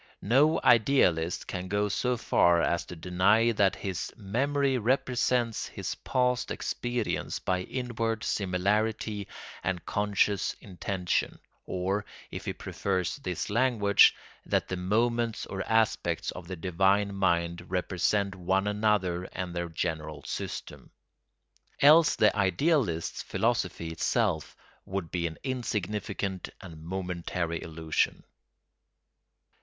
No idealist can go so far as to deny that his memory represents his past experience by inward similarity and conscious intention, or, if he prefers this language, that the moments or aspects of the divine mind represent one another and their general system. Else the idealist's philosophy itself would be an insignificant and momentary illusion.